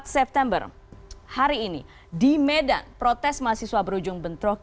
empat september hari ini di medan protes mahasiswa berujung bentrok